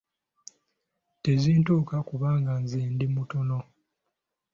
Tezintuuka kubanga nze ndi mutono.